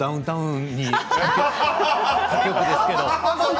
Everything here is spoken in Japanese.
他局ですけれども。